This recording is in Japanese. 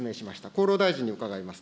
厚労大臣に伺います。